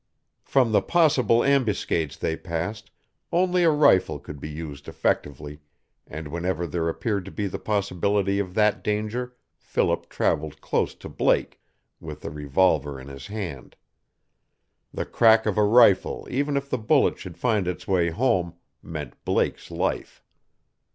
From the possible ambuscades they passed only a rifle could be used effectively, and whenever there appeared to be the possibility of that danger Philip traveled close to Blake, with the revolver in his hand. The crack of a rifle even if the bullet should find its way home, meant Blake's life.